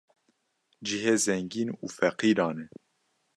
cihê zengîn û feqîran e